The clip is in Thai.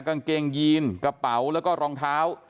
กางเกงยีนกระเป๋าแล้วก็รองเท้า